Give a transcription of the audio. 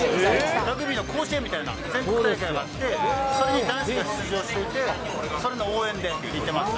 ラグビーの甲子園みたいな全国大会があって、それに男子が出場してて、それの応援で行ってました。